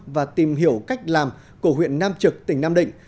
và tìm hiểu cách làm của huyện nam trực tỉnh nam định